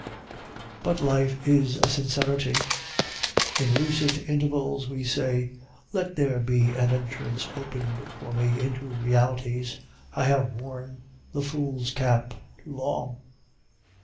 But life is a sincerity. In lucid intervals we say, "Let there be an entrance opened for me into realties; I have worn the fool's cap too long."